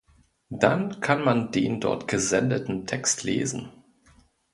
Dann kann man den dort gesendeten Text lesen.